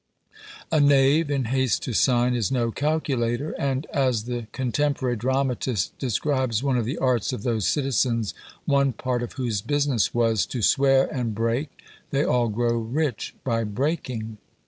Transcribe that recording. A knave, in haste to sign, is no calculator; and, as the contemporary dramatist describes one of the arts of those citizens, one part of whose business was To swear and break: they all grow rich by breaking!